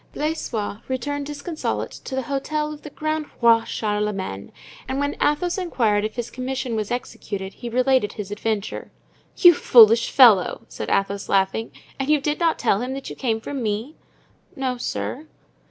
Blaisois returned disconsolate to the Hotel of the Grand Roi Charlemagne and when Athos inquired if his commission was executed, he related his adventure. "You foolish fellow!" said Athos, laughing. "And you did not tell him that you came from me?" "No, sir."